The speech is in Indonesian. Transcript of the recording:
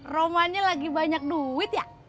romannya lagi banyak duit ya